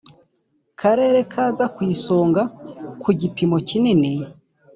Karere Kaza Ku Isonga Ku Gipimo Kinini